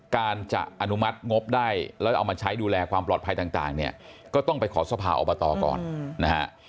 การจะอนุมัติงบได้แล้วเอามาใช้ดูแลความปลอดภัยต่างเนี่ยก็ต้องไปขอสภาอบตก่อนนะฮะ